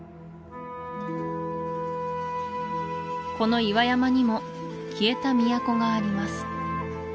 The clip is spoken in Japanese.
この岩山にも消えた都があります